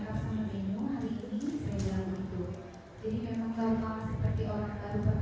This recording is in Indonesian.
kemudian mengapa tidak sudah jelasan dari bawah